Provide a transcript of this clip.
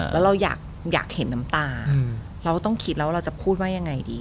แล้วเราอยากเห็นน้ำตาเราต้องคิดแล้วเราจะพูดว่ายังไงดี